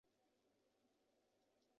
顺天府乡试第十六名。